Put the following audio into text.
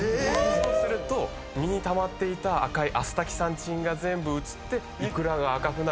そうすると身にたまっていた赤いアスタキサンチンが全部移ってイクラが赤くなる。